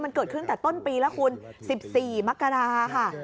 มันเกิดขึ้นแต่ต้นปีแล้วคุณ๑๔มกราค่ะ